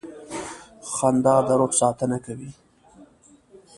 • خندا د روح ساتنه کوي.